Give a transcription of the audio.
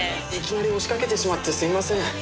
いきなり押し掛けてしまってすいません。